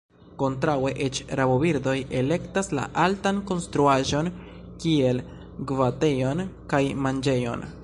Kontraŭe eĉ, rabobirdoj elektas la altan konstruaĵon kiel gvatejon kaj manĝejon.